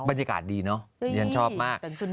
บรรยากาศดีเนอะดิฉันชอบมาก